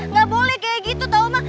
nggak boleh kayak gitu tau mak